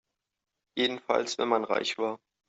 Jedenfalls wenn man reich war.